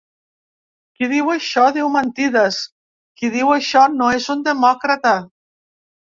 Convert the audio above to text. Qui diu això diu mentides; qui diu això no és un demòcrata.